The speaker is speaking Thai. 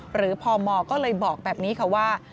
พมก็เลยบอกแบบนี้ค่ะว่า